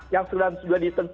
yang sedang disediakan